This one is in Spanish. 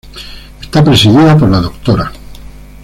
Está presidida por la Dra.